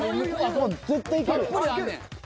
［もう絶対いけるやん］